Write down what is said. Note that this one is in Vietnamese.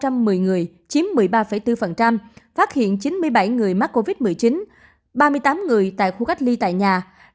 trong con số này có bốn bốn phát hiện chín mươi bảy người mắc covid một mươi chín ba mươi tám người tại khu cách ly tại nhà